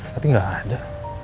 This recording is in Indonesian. tapi gak ada